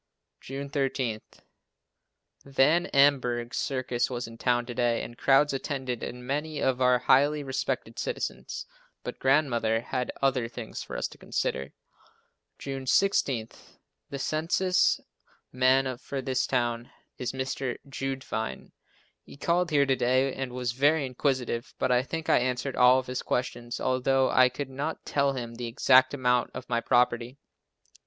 June 13. Van Amburgh's circus was in town to day and crowds attended and many of our most highly respected citizens, but Grandmother had other things for us to consider. June 16. The census man for this town is Mr. Jeudevine. He called here to day and was very inquisitive, but I think I answered all of his questions although I could not tell him the exact amount of my property.